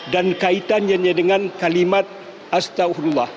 dan kaitannya dengan kalimat astaghfirullah